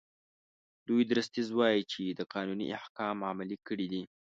لوی درستیز وایي چې ده قانوني احکام عملي کړي دي.